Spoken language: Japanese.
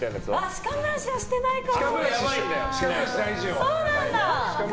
歯間ブラシはしてないかな。